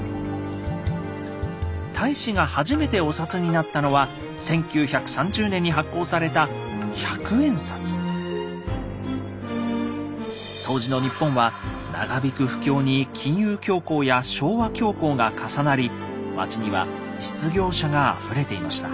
太子が初めてお札になったのは当時の日本は長引く不況に金融恐慌や昭和恐慌が重なり街には失業者があふれていました。